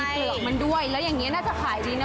เปลือกมันด้วยแล้วอย่างนี้น่าจะขายดีนะ